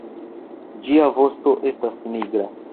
Ĝia vosto estas nigra.